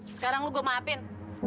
sekarang lu gue maafin